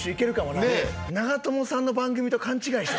長友さんの番組と勘違いして。